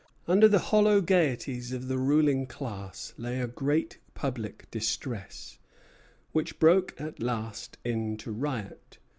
Under the hollow gayeties of the ruling class lay a great public distress, which broke at last into riot.